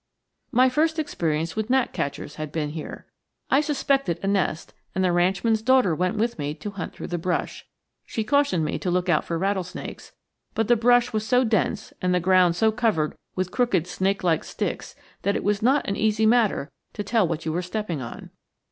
My first experience with gnatcatchers had been here. I suspected a nest, and the ranchman's daughter went with me to hunt through the brush. She cautioned me to look out for rattlesnakes, but the brush was so dense and the ground so covered with crooked snake like sticks that it was not an easy matter to tell what you were stepping on.